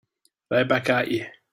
Right back at you.